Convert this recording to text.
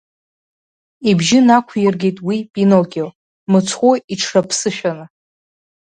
Ибжьы нақәиргеит уи Пиноккио, мыцхәы иҽраԥсышәаны.